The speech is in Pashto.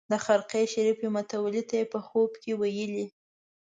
د خرقې شریفې متولي ته یې په خوب کې ویلي.